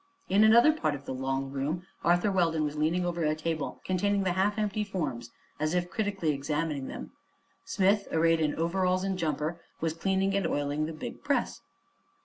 In another part of the long room Arthur Weldon was leaning over a table containing the half empty forms, as if critically examining them. Smith, arrayed in overalls and jumper, was cleaning and oiling the big press.